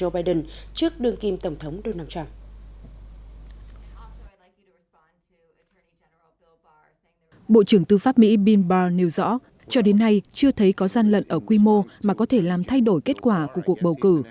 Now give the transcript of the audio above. bộ trưởng tư pháp mỹ billberr nêu rõ cho đến nay chưa thấy có gian lận ở quy mô mà có thể làm thay đổi kết quả của cuộc bầu cử